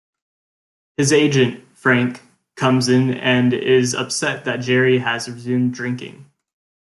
His agent, Frank, comes in and is upset that Jerry has resumed drinking.